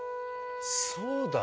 そうだ。